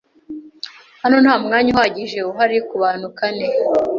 Hano nta mwanya uhagije uhari kubantu kane.